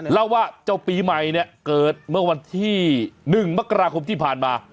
เล่าว่าเจ้าปีใหม่เนี่ยเกิดเมื่อวันที่๑มกราคมที่ผ่านมา